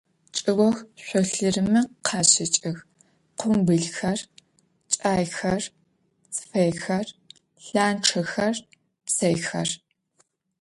Чӏыох шъолъырымэ къащэкӏых къумбылхэр, кӏайхэр, тфэйхэр, ланчъэхэр, псэйхэр.